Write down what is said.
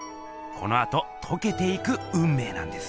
このあととけていくうんめいなんです。